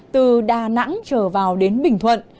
từ đà nẵng trở vào đến bình thuận